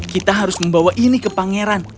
kita harus membawa ini ke pangeran